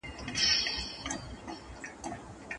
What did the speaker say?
ایا ماشومانو ته مو د خپلو خپلوانو نومونه یاد کړل؟